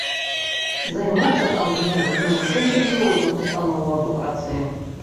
Займацца там змогуць навучэнцы з розных установаў адукацыі.